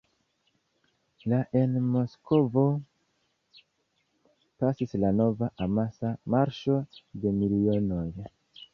La en Moskvo pasis la nova amasa "Marŝo de milionoj".